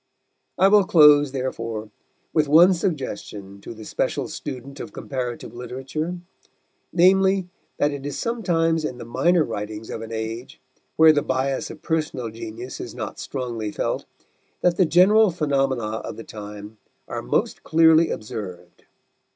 I will close, therefore, with one suggestion to the special student of comparative literature namely, that it is sometimes in the minor writings of an age, where the bias of personal genius is not strongly felt, that the general phenomena of the time are most clearly observed.